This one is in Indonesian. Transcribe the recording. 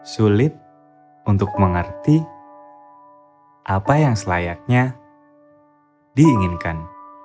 sulit untuk mengerti apa yang selayaknya diinginkan